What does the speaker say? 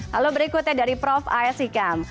lalu berikutnya dari prof ais hikam